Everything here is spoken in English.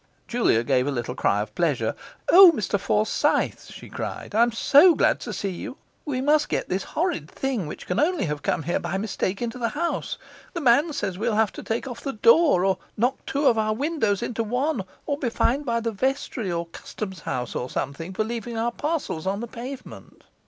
Julia gave a little cry of pleasure. 'O, Mr Forsyth,' she cried, 'I am so glad to see you; we must get this horrid thing, which can only have come here by mistake, into the house. The man says we'll have to take off the door, or knock two of our windows into one, or be fined by the Vestry or Custom House or something for leaving our parcels on the pavement.